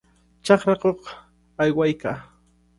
Chakrakuq aywaykaa.